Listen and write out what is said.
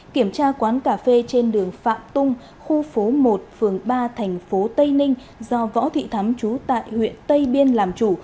kiểm tra quán cà phê trên đường phạm tung khu phố một phường ba tp tây ninh do võ thị thắm trú tại huyện tây biên làm chủ